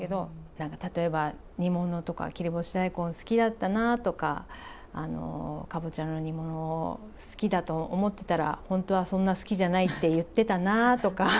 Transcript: なんか例えば煮物とか切り干し大根好きだったなとか、かぼちゃの煮物好きだと思ってたら、本当はそんな好きじゃないって言ってたなとか。